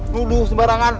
lu lu sembarangan